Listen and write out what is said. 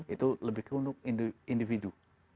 itu lebih ke untuk individu